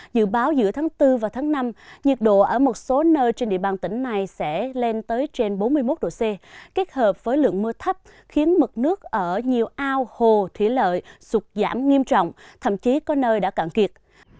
dự báo giữa tháng bốn và tháng năm nhiệt độ ở một số nơi trên địa bàn tỉnh này sẽ lên tới trên bốn mươi một độ c kết hợp với lượng mưa thấp khiến mực nước ở nhiều ao hồ thủy lợi sụt giảm nghiêm trọng thậm chí có nơi đã cạn kiệt